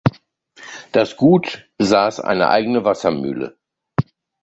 Das Gut besaß eine eigene Wassermühle.